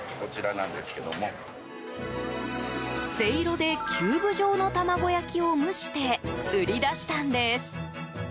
せいろでキューブ状の卵焼きを蒸して売り出したんです。